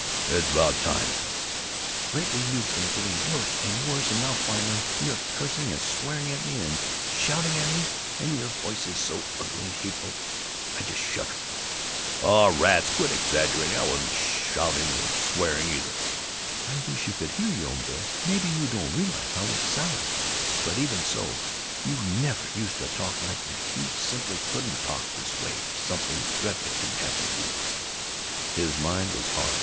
"It's about time then!" "Lately you've been getting worse and worse, and now, finally, you're cursing and swearing at me and shouting at me, and your voice so ugly and hateful I just shudder!" "Oh, rats, quit exaggerating! I wasn't shouting, or swearing either." "I wish you could hear your own voice! Maybe you don't realize how it sounds. But even so You never used to talk like that. You simply couldn't talk this way if something dreadful hadn't happened to you." His mind was hard.